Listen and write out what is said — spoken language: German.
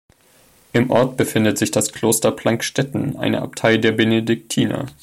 Im Ort befindet sich das Kloster Plankstetten, eine Abtei der Benediktiner.